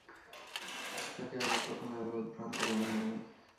তাকে আগে কখনো এমন উদভ্রান্ত মনে হয়নি।